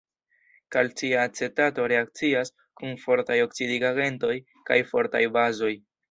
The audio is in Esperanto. Kalcia acetato reakcias kun fortaj oksidigagentoj kaj fortaj bazoj.